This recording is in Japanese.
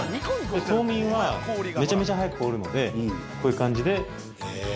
凍眠はめちゃめちゃ速く凍るのでこういう感じでへえ